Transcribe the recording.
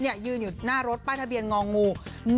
ยืนอยู่หน้ารถป้ายทะเบียนงองู